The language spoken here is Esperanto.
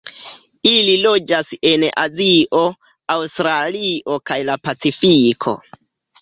Ili loĝas en Azio, Aŭstralio kaj la Pacifiko.